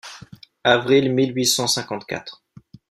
Avril mille huit cent cinquante-quatre.